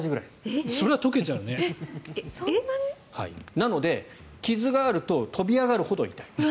なので、傷があると跳び上がるほど痛い。